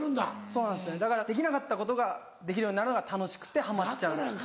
そうなんですだからできなかったことができるようになるのが楽しくてハマっちゃう。